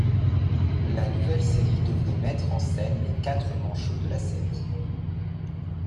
La nouvelle série devrait mettre en scène les quatre manchots de la série.